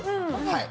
はい。